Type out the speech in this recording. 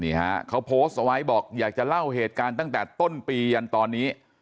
นี่ฮะเขาโพสต์เอาไว้บอกอยากจะเล่าเหตุการณ์ตั้งแต่ต้นปียันตอนนี้